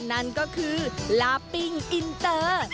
นั่นก็คือลาปิ้งอินเตอร์